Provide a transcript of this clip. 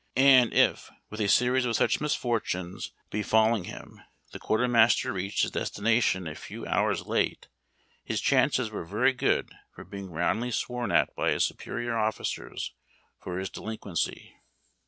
And if, with a series of such misfortunes befalling 366 HARD TACK AND COFFEE. him, the quartermaster readied liis destination a few Lours late, his chances were very good for being roundly sworn at by his superior officers for his delinquency.